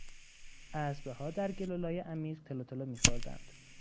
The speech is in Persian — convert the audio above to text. اسبها در گل و لای عمیق تلو تلو میخوردند.